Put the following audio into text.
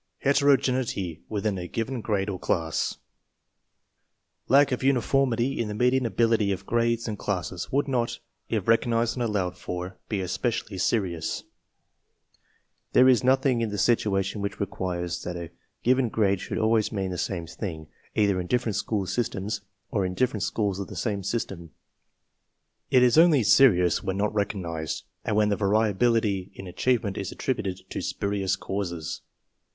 HETEROGENEITY WITHIN A GIVEN GRADE OR CLASS Lack of uniformity in the median ability of grades and classes would not, if recognized and allowed for, be especially serious. There is nothing in the situation which requires that a given grade should always mean the same thing, either in different school systems or in different schools of the same system. It is only serious when not recognized and when, the variability in achievement is attributed to ^puriou d causes.